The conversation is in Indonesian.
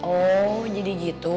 oh jadi gitu